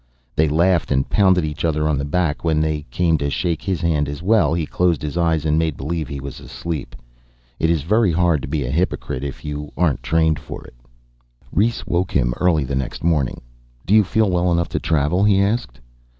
They laughed and pounded each other on the back. When they came to shake his hand as well, he closed his eyes and made believe he was asleep. It is very hard to be a hypocrite if you aren't trained for it. Rhes woke him early the next morning. "Do you feel well enough to travel?" he asked.